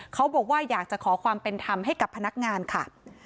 เขาบอกว่าอยากจะขอความเป็นธรรมให้กับพนักงานค่ะ